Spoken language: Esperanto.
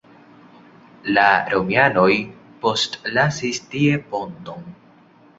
La romianoj postlasis tie ponton.